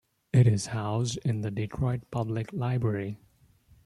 It is housed in the Detroit Public Library.